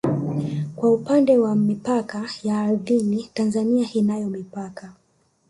Kwa upande wa mipaka ya ardhini Tanzania inayo mipaka